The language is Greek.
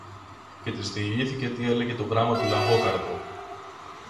Και της διηγήθηκε τι έλεγε το γράμμα του Λαγόκαρδου